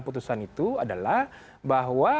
putusan itu adalah bahwa